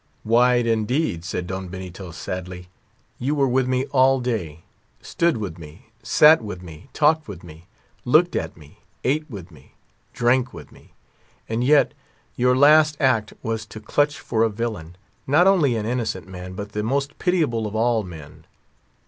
"Wide, indeed," said Don Benito, sadly; "you were with me all day; stood with me, sat with me, talked with me, looked at me, ate with me, drank with me; and yet, your last act was to clutch for a monster, not only an innocent man, but the most pitiable of all men.